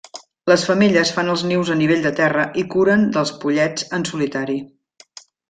Les femelles fan els nius a nivell de terra i curen dels pollets en solitari.